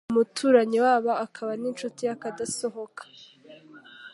umuturanyi wabo akaba n'inshuti y'akadasohoka